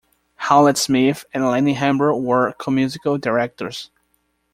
Howlett Smith and Lenny Hambro were co-Musical Directors.